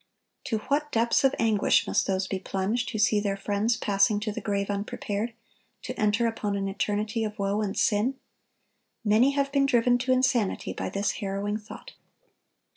To what depths of anguish must those be plunged who see their friends passing to the grave unprepared, to enter upon an eternity of woe and sin! Many have been driven to insanity by this harrowing thought.